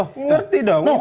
loh ngerti dong